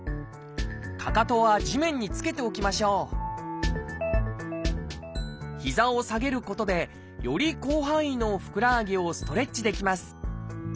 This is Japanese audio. かかとは地面につけておきましょう膝を下げることでより広範囲のふくらはぎをストレッチできます。